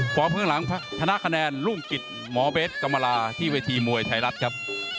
ข้างหลังชนะคะแนนรุ่งกิจหมอเบสกรรมลาที่เวทีมวยไทยรัฐครับ